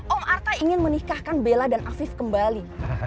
om artha ingin menikahkan bella dan afif kembali